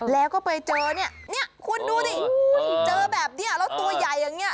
แล้วก็ไปเจอเนี่ยคุณดูดิเจอแบบนี้แล้วตัวใหญ่อย่างนี้